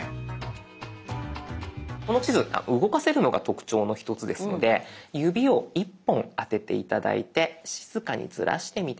この地図動かせるのが特徴の１つですので指を１本当てて頂いて静かにズラしてみて下さい。